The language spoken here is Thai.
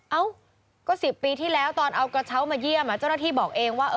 เอ้าก็๑๐ปีที่แล้วตอนเอากระเช้ามาเยี่ยมเจ้าหน้าที่บอกเองว่า